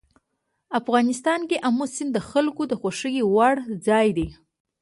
افغانستان کې آمو سیند د خلکو د خوښې وړ ځای دی.